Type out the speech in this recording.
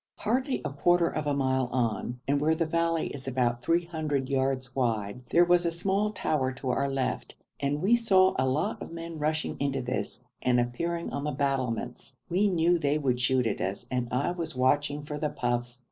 Hardly a quarter of a mile on, and where the valley is about three hundred yards wide, there was a small tower to our left, and we saw a lot of men rushing into this and appearing on the battlements. We knew they would shoot at us and I was watching for the puff.